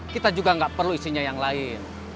kita juga nggak perlu isinya yang lain